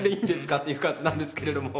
っていう感じなんですけれども。